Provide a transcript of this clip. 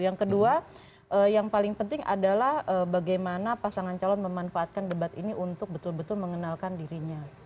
yang kedua yang paling penting adalah bagaimana pasangan calon memanfaatkan debat ini untuk betul betul mengenalkan dirinya